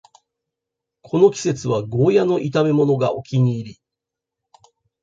この季節はゴーヤの炒めものがお気に入り